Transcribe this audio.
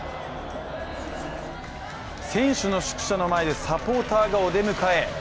選手の宿舎の前でサポーターがお出迎え。